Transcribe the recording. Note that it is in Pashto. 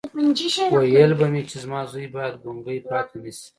ويل به مې چې زما زوی بايد ګونګی پاتې نه شي.